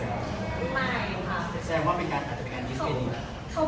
เธอก็มีแฟนของเขามากนิดนึงจริง